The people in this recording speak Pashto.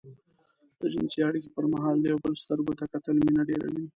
د جنسي اړيکې پر مهال د يو بل سترګو ته کتل مينه ډېروي.